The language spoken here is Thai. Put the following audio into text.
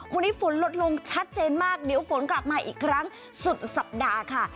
วันนี้ฝนลดลงชัดเจนมากเดี๋ยวฝนกลับมาอีกครั้งสุดสัปดาห์ค่ะ